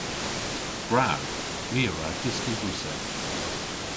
Gwrav! My a wra dyski Russek.